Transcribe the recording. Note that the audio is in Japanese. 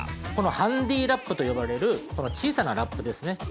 このハンディーラップと呼ばれる小さなラップですね。